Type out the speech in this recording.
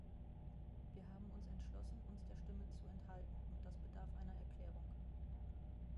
Wir haben uns entschlossen, uns der Stimme zu enthalten, und das bedarf einer Erklärung.